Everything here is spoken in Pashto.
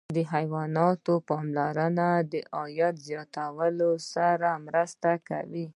د حیواناتو پاملرنه د عاید زیاتوالي سره مرسته کوي.